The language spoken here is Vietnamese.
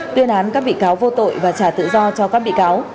tuyên án các bị cáo vô tội và trả tự do cho các bị cáo